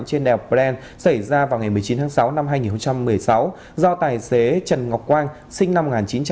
trên đèo bren xảy ra vào ngày một mươi chín tháng sáu năm hai nghìn một mươi sáu do tài xế trần ngọc quang sinh năm một nghìn chín trăm tám mươi